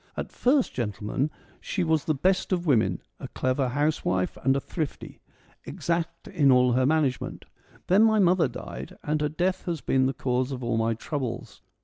At first, gentlemen, she was the THE ATTIC ORATORS 195 best of women, a clever housewife and a thrifty, exact in all her management. Then my mother died, and her death has been the cause of all my troubles.